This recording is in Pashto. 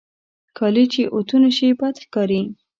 کالي چې اوتو نهشي، بد ښکاري.